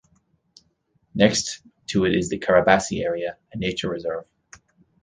Next to it is the Carabasi area, a nature reserve.